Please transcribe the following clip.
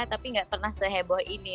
tapi nggak pernah seheboh ini